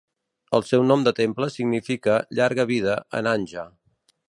El seu nom de temple significa "Llarga Vida" en hanja.